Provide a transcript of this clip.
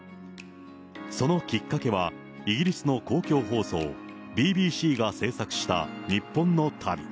そのきっかけは、イギリスの公共放送ＢＢＣが制作したニッポンの旅。